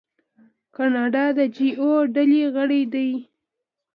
کاناډا د جي اوه ډلې غړی دی.